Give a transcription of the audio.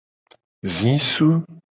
Zisu.